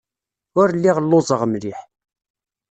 Ur lliɣ lluẓeɣ mliḥ.